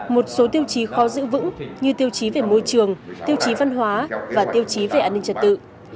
một số tiêu chí khó giữ vững như tiêu chí về môi trường tiêu chí văn hóa và tiêu chí về an ninh trật tự